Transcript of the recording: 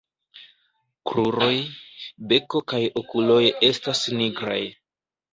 Kruroj, beko kaj okuloj estas nigraj.